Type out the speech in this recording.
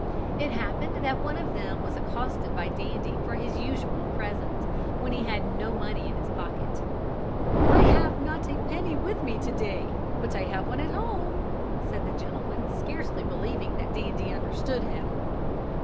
It happened that one of them was accosted by Dandie for his usual present, when he had no money in his pocket. "I have not a penny with me to day, but I have one at home," said the gentleman, scarcely believing that Dandie understood him.